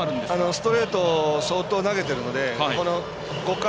ストレート相当投げているので５回、